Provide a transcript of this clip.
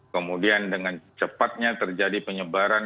kemudian dengan cepatnya terjadi penyebaran